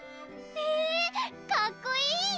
へぇかっこいい！